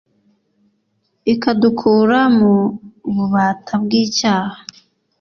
ikadukura mu bubāta bw'icyaha